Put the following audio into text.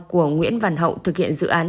của nguyễn văn hậu thực hiện dự án